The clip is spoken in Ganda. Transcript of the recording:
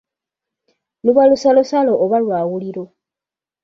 Luba lusalosalo oba lwawuliro.